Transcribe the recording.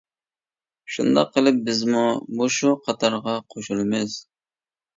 شۇنداق قىلىپ بىزمۇ مۇشۇ قاتارغا قوشۇلىمىز.